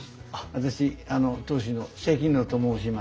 私当主の関野と申します。